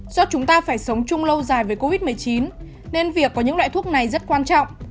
do chúng ta phải sống chung lâu dài với covid một mươi chín nên việc có những loại thuốc này rất quan trọng